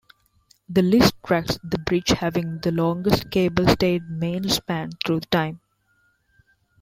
This list tracks the bridge having the longest cable-stayed main span through time.